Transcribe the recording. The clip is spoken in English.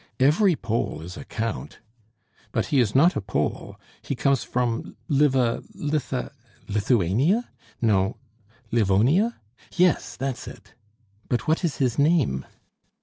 "Every Pole is a Count!" "But he is not a Pole; he comes from Liva Litha " "Lithuania?" "No." "Livonia?" "Yes, that's it!" "But what is his name?"